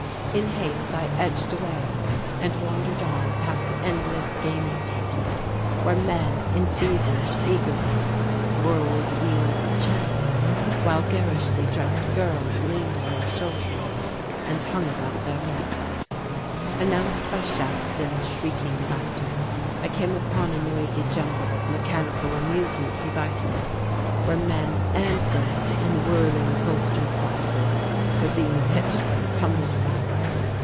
In haste I edged away and wandered on past endless gaming tables where men in feverish eagerness whirled wheels of chance, while garishly dressed girls leaned on their shoulders and hung about their necks. Announced by shouts and shrieking laughter I came upon a noisy jumble of mechanical amusement devices where men and girls in whirling upholstered boxes were being pitched and tumbled about.